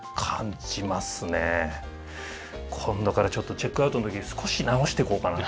今度からちょっとチェックアウトの時少し直していこうかな。